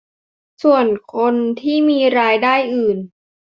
ส่วนคนที่มีรายได้อื่น